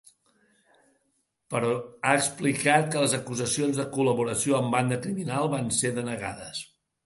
Però ha explicat que les acusacions de col·laboració amb banda criminal van ser denegades.